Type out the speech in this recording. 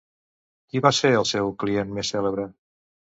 Qui va ser el seu client més cèlebre?